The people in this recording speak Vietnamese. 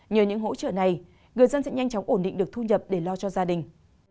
nhờ những hỗ trợ này người dân sẽ nhanh chóng ổn định được thu nhập để lo cho gia đình